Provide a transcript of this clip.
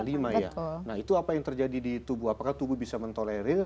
nah itu apa yang terjadi di tubuh apakah tubuh bisa mentolerir